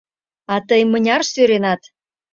А тый мыняр сӧренат?